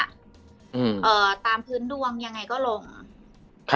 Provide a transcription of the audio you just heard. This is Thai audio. ตามพื้นดวงยังไงก็ลง